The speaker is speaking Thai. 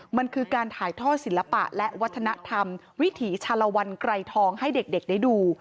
มันคือการถ่ายท่อศิลปะและวัฒนธรรมวิถีชาลวันไกรทองให้เด็กได้ดู